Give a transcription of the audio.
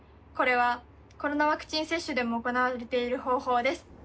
これはコロナワクチン接種でも行われている方法です。